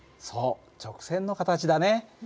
そう直線の形だね。